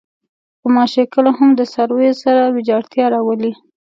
غوماشې کله هم د څارویو سره ویجاړتیا راولي.